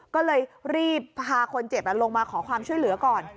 ก็เลยรีบพาคนเจ็บลงมาขอความช่วยเหลือก่อน